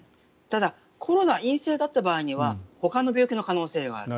ただ、コロナ陰性だった場合にはほかの病気の可能性がある。